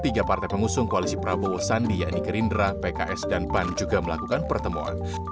tiga partai pengusung koalisi prabowo sandi yakni gerindra pks dan pan juga melakukan pertemuan